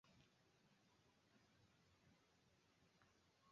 Watano walioshtakiwa kwa kosa la mauwaji ya Biko